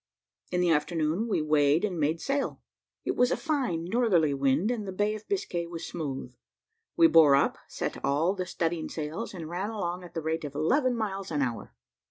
In the afternoon, we weighed and made sail. It was a fine northerly wind, and the Bay of Biscay was smooth. We bore up, set all the studding sails, and ran along at the rate of eleven miles an hour.